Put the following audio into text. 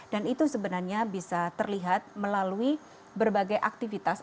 dan itu sebenarnya bisa terlihat melalui berbagai aktivitas